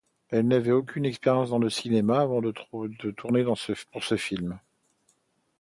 Elle n’avait aucune expérience dans le cinéma avant de tourner pour ce film.